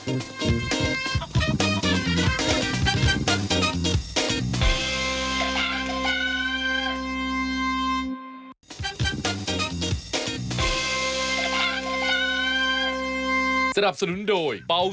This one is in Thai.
เอาช่วงหน้า